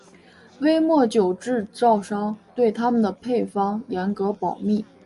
威末酒制造商对他们的配方严格保密。